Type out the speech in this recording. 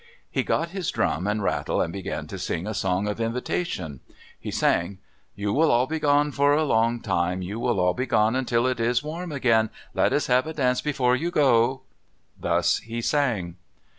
He got his drum and rattle and began to sing a song of invitation. He sang: You will all be gone for a long time. You will all be gone until it is warm again. Let us have a dance before you go. Thus he sang.